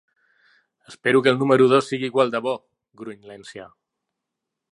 "Espero que el número dos sigui igual de bo" gruny l'ancià.